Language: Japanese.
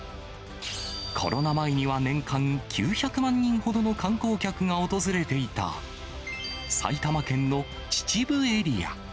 コロナ前には年間９００万人ほどの観光客が訪れていた、埼玉県の秩父エリア。